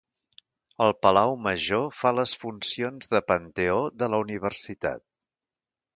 El Palau Major fa les funcions de panteó de la Universitat.